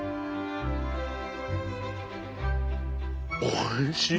おいしい。